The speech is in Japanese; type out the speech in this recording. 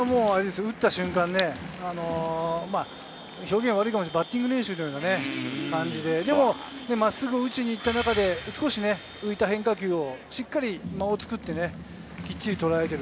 打った瞬間、表現は悪いかもしれないですけど、バッティング練習のような感じで、真っすぐ打ちに行った中で少し浮いて入った変化球をしっかり間をつくってしっかりとらえている。